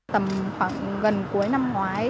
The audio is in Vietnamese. tầm khoảng gần cuối năm ngoái